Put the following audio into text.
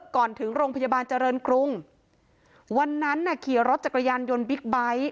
ถึงโรงพยาบาลเจริญกรุงวันนั้นน่ะขี่รถจักรยานยนต์บิ๊กไบท์